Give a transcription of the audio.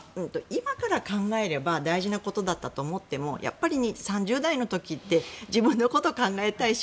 今から考えれば大事なことだったと思ってもやっぱり３０代の時って自分のことを考えたいし